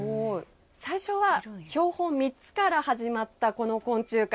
最初は標本３つから始まったこの昆虫館。